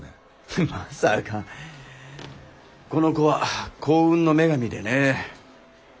この子は幸運の女神でね。